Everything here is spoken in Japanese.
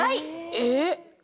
えっ！